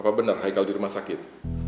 apa benar haikal di rumah sakit